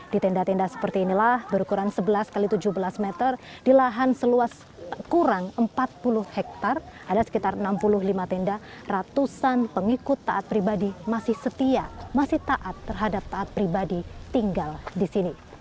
di tenda tenda seperti inilah berukuran sebelas x tujuh belas meter di lahan seluas kurang empat puluh hektare ada sekitar enam puluh lima tenda ratusan pengikut taat pribadi masih setia masih taat terhadap taat pribadi tinggal di sini